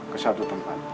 ke suatu tempat